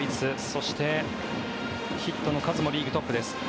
そして、ヒットの数もリーグトップです。